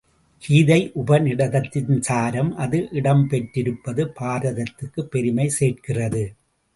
கீதை உபநிடதத்தின் சாரம் அது இடம் பெற்றிருப் பது பாரதத்துக்குப் பெருமை சேர்க்கிறது.